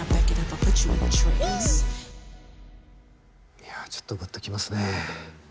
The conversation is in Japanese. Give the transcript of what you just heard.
いやちょっとぐっときますね。